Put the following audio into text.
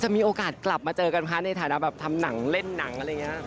มีโอกาสกลับมาเจอกันคะในฐานะแบบทำหนังเล่นหนังอะไรอย่างนี้